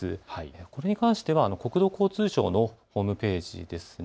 これに関しては国土交通省のホームページですね。